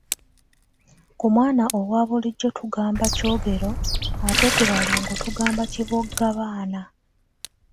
Ku mwana owa bulijjo tugamba kyogero, ate ku balongo tugamba kiboggabaana.